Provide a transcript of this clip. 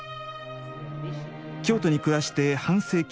京都に暮らして半世紀以上。